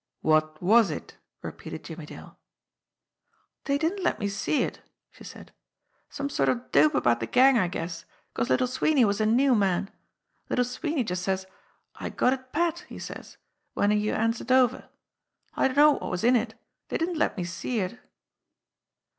"What was it?" repeated Jimmie Dale. "Dey didn't let me see it," she said. "Some sort of dope about de gang, I guess, 'cause Little Sweeney was a new man. Little Sweeney just says, 'I got it pat,' he says, w'en he hands it over. I dunno wot was in it ; dey didn't let me see it."